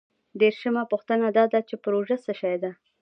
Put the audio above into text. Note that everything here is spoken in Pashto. دیرشمه پوښتنه دا ده چې پروژه څه شی ده؟